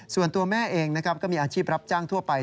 ส่วนตัวแม่เองนะครับก็มีอาชีพรับจ้างทั่วไป